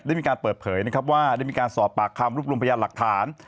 ได้มีการเปิดเผยนะครับว่าได้มีการสอบปากคำรูปรวมพยานหลักฐาน